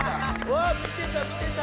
わあ見てた見てた！